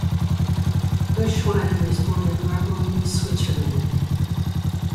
Gerschwiler was born in Arbon, Switzerland.